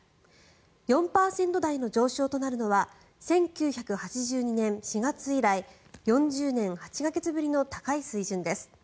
４％台の上昇となるのは１９８２年４月以来４０年８か月ぶりの高い水準です。